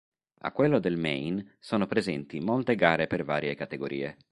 A quello del Maine sono presenti molte gare per varie categorie.